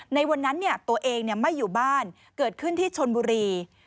ในวันนั้นตัวเองไม่อยู่บ้านเกิดขึ้นที่ชนบุรี